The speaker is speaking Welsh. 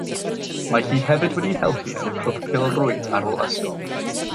Mae hi hefyd wedi helpu yn y clwb pêl-rwyd ar ôl ysgol